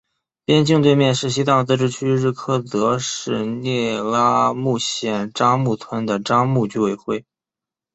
边境对面是西藏自治区日喀则市聂拉木县樟木镇的樟木居委会。